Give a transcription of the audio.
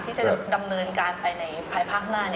ที่จะดำเนินการไปในภายภาคหน้า